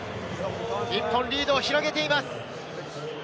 日本リードを広げています。